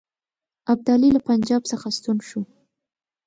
ابدالي له پنجاب څخه ستون شو.